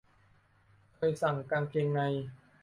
เคยสั่งกางเกงใน